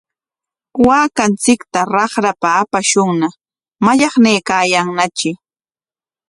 Waakanchikta raqrapa apashunña, mallaqnaykaayanñatri.